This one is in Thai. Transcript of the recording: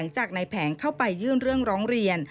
จากในแผงเข้าไปยื่นเรื่องร้องเรียน